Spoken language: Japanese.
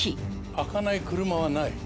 開かない車はない。